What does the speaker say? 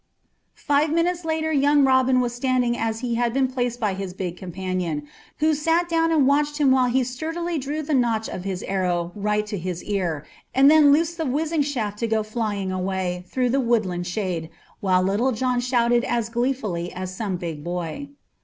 Five minutes later young Robin was standing as he had been placed by his big companion, who sat down and watched him while he sturdily drew the notch of his arrow right to his ear, and then loosed the whizzing shaft to go flying away through the woodland shade, while Little John shouted as gleefully as some big boy.